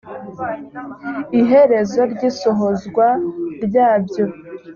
iherezo ry isohozwa ryabyo